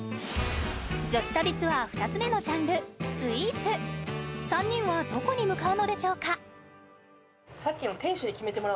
女子旅ツアー２つ目のジャンルスイーツ３人はどこに向かうのでしょうか？